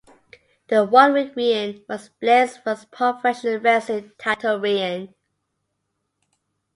The one-week reign was Blair's first professional wrestling title reign.